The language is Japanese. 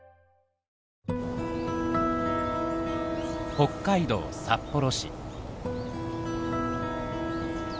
北海道札幌市。